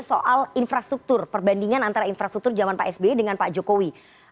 soal infrastruktur perbandingan antara infrastruktur zaman pak sby dengan pak jokowi